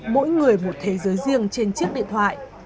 mỗi người một thế giới riêng trên chiếc điện thoại